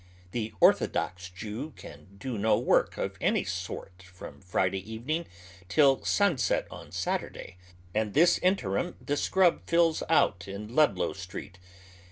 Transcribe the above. The orthodox Jew can do no work of any sort from Friday evening till sunset on Saturday, and this interim the scrub fills out in Ludlow Street.